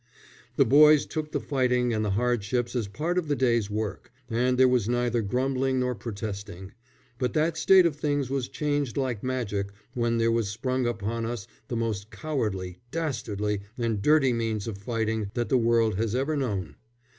The boys took the fighting and the hardships as part of the day's work, and there was neither grumbling nor protesting; but that state of things was changed like magic when there was sprung upon us the most cowardly, dastardly, and dirty means of fighting that the world has ever known.